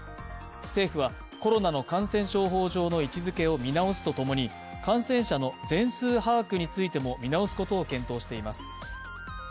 政府は、コロナの感染症法上の位置づけを見直すとともに感染者の全数把握についても見直すことを検討しています。